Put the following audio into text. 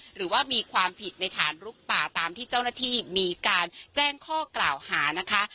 หรือว่ามีความผิดในฐานลุกป่าตามที่เจ้าหน้าที่มีการแจ้งข้อกล่าวหานะคะ